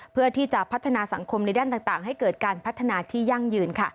เพื่อที่จะพัฒนาสังคมในด้านต่างให้เกิดการพัฒนาที่ยั่งยืน